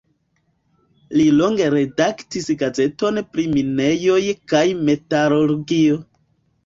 Li longe redaktis gazeton pri minejoj kaj metalurgio.